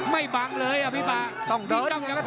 ไม่ตั้งเลยต้องเดินอีก